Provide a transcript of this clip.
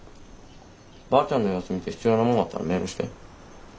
ばあちゃんの様子見て必要なものがあったらメールして。